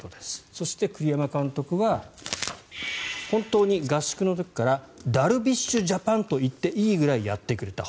そして、栗山監督は本当に合宿の時からダルビッシュジャパンと言っていいぐらいやってくれた。